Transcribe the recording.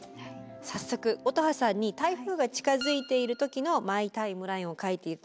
早速乙葉さんに台風が近づいている時のマイ・タイムラインを書いて頂きました。